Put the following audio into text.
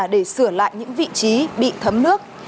để sửa lại những vị trí bị thấm nước